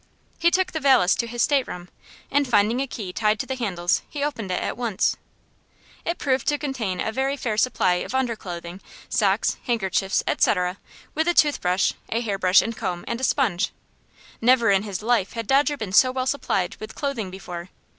He took the valise to his stateroom, and, finding a key tied to the handles, he opened it at once. It proved to contain a very fair supply of underclothing, socks, handkerchiefs, etc., with a tooth brush, a hair brush and comb, and a sponge. Never in his life had Dodger been so well supplied with clothing before.